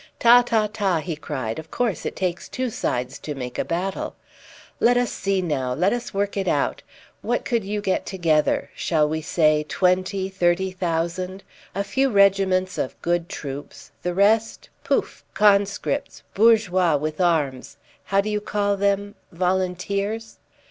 "Ta, ta, ta!" he cried. "Of course it takes two sides to make a battle. Let us see now; let us work it out. What could you get together? Shall we say twenty, thirty thousand. A few regiments of good troops: the rest, pouf! conscripts, bourgeois with arms. How do you call them volunteers?"